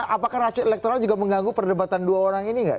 apakah racu elektoral juga mengganggu perdebatan dua orang ini nggak